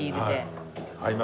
はい。